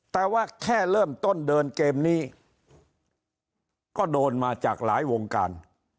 แต่ว่าแค่เริ่มต้นเดินเกมนี้ก็โดนมาจากหลายวงการ